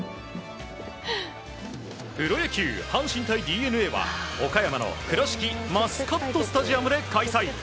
プロ野球、阪神対ＤｅＮＡは岡山の倉敷マスカットスタジアムで開催。